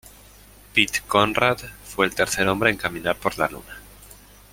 Pete Conrad fue el tercer hombre en caminar por la Luna.